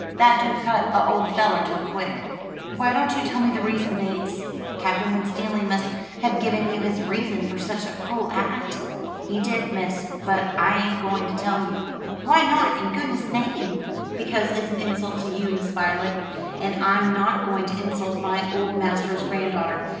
That do cut a old feller to the quick." "Why don't you tell me the reason, Bates? Captain Winstanley must have given you his reason for such a cruel act." "He did, miss; but I ain't going to tell you." "Why not, in goodness' name?" "Because it's an insult to you, Miss Voylet; and I'm not going to insult my old master's granddaughter.